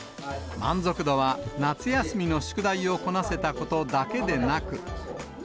満足度は夏休みの宿題をこなせたことだけでなく。